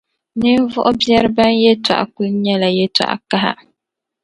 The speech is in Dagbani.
ninvuɣ’ biɛri bɛn’ yɛtɔɣa kul nyɛla yɛtɔɣ’ kaha.